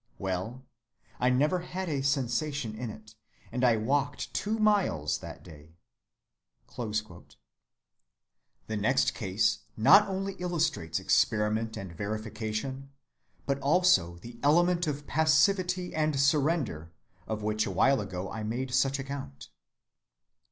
Well, I never had a sensation in it, and I walked two miles that day." The next case not only illustrates experiment and verification, but also the element of passivity and surrender of which awhile ago I made such account.